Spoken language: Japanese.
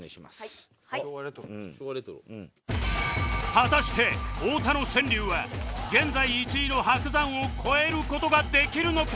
果たして太田の川柳は現在１位の伯山を超える事ができるのか？